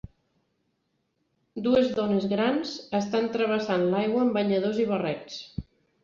Dues dones grans estan travessant l'aigua amb banyadors i barrets